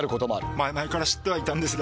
前々から知ってはいたんですが。